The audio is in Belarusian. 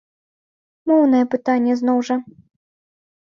Моўнае пытанне, зноў жа.